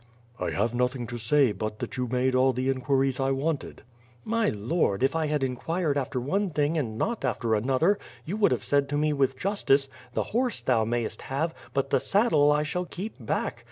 "1 have nothing to say, but that vou made all the inquiries T wanted." "Aiy lord, if I had inquired after one thing and not after another, you would have said to me with justice; 'The horso thou mayst have, but the saddle I shall keep back!'